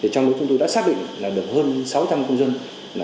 trong đó chúng tôi đã xác định là được hơn sáu trăm linh công dân